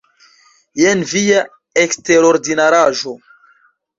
Jen via eksterordinaraĵo.